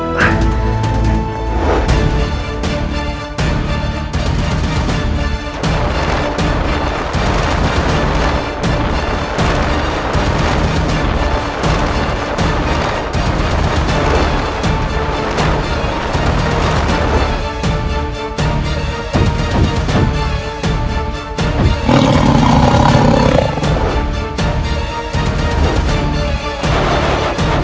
kakek terpaksa membawa raden